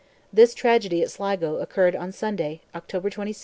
This tragedy at Sligo occurred on Sunday, October 26th, 1645.